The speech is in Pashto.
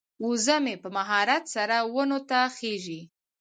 وزه مې په مهارت سره ونو ته خیژي.